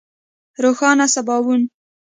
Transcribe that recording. روښانه سباوون